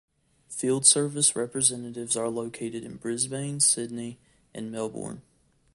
Field Service representatives are located in Brisbane, Sydney and Melbourne.